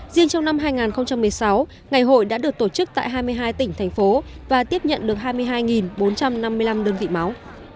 riêng trong năm hai nghìn một mươi sáu ngày hội đã được tổ chức tại hai mươi hai tỉnh thành phố và tiếp nhận được hai mươi hai bốn trăm năm mươi năm đơn vị máu